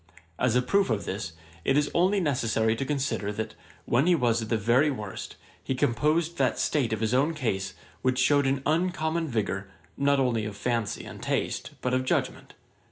As a proof of this, it is only necessary to consider, that, when he was at the very worst, he composed that state of his own case, which shewed an uncommon vigour, not only of fancy and taste, but of judgement.